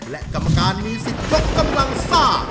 และกรรมการว่ากำลังแส่ง